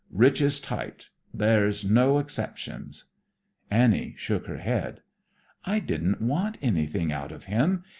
Rich is tight. There's no exceptions." Annie shook her head. "I didn't want anything out of him.